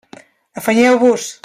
Afanyeu-vos!